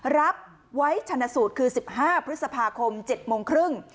รับไว้ชนะสูตรคือ๑๕พฤษภาคม๗โมงครึ่ง